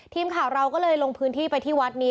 ทีมข่าวเราก็เลยลงพื้นที่ไปที่วัดนี้